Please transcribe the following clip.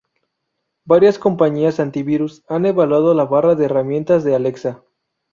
Varias compañías antivirus han evaluado la barra de herramientas de Alexa.